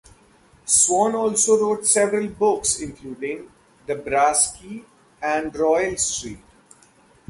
Swann also wrote several books including "The Brass Key" and "Royal Street".